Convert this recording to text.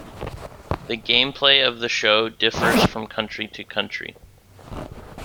The gameplay of the show differs from country to country.